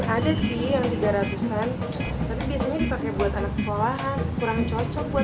ada sih yang tiga ratus an